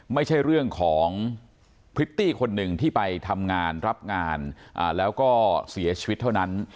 ไม่ใช่เรื่องของพริตตี้คนหนึ่งที่ไปทำงานรับงานแล้วก็เสียชีวิตเท่านั้น